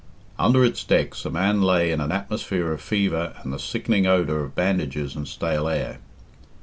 Under its decks a man lay in an atmosphere of fever and the sickening odour of bandages and stale air.